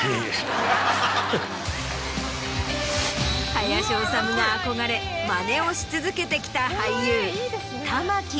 林修が憧れマネをし続けてきた。